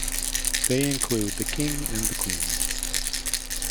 They include the king and the queen.